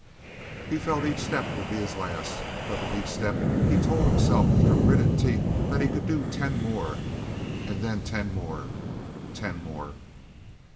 He felt each step would be his last, but with each step he told himself through gritted teeth that he could do ten more and then ten more ten more.